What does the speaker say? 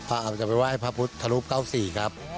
อาจจะไปว่าให้พระพุทธทรูปเก้าสี่ครับ